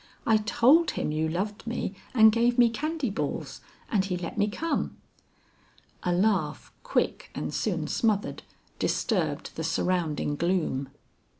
"I told him you loved me and gave me candy balls, and he let me come." A laugh quick and soon smothered, disturbed the surrounding gloom.